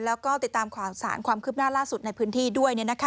แล้วก็ติดตามข่าวสารความคืบหน้าล่าสุดในพื้นที่ด้วย